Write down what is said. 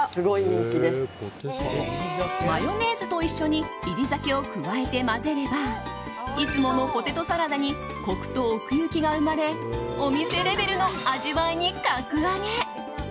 マヨネーズと一緒に煎り酒を加えて混ぜればいつものポテトサラダにコクと奥行きが生まれお店レベルの味わいに格上げ。